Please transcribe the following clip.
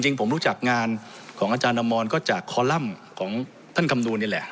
จริงผมรู้จักงานของอาจารย์อมรก็จากคอลัมป์ของท่านคำนวณนี่แหละ